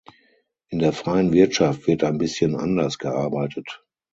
In der freien Wirtschaft wird ein bisschen anders gearbeitet.